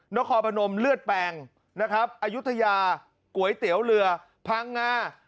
นครพนมเลือดแปลงนะครับอายุทยาก๋วยเตี๋ยวเรือพังงา